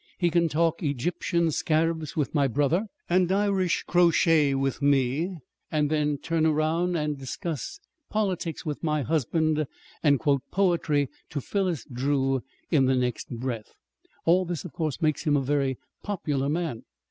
He can talk Egyptian scarabs with my brother, and Irish crochet with me, and then turn around and discuss politics with my husband, and quote poetry to Phillis Drew in the next breath. All this, of course, makes him a very popular man."